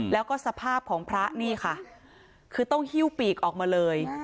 แล้วก็สภาพของพระนี่ค่ะคือต้องหิ้วปีกออกมาเลย